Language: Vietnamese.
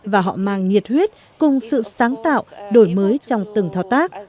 và họ mang nhiệt huyết cùng sự sáng tạo đổi mới trong từng thao tác